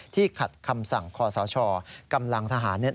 ที่ขัดคำสั่งขอสาชอกำลังทหาร